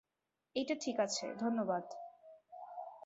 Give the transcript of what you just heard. এইটা ঠিক আছে, ধন্যবাদ।